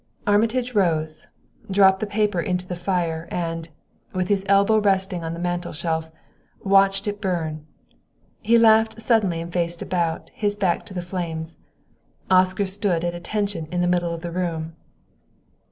Armitage rose, dropped the paper into the fire, and, with his elbow resting on the mantel shelf, watched it burn. He laughed suddenly and faced about, his back to the flames. Oscar stood at attention in the middle of the room.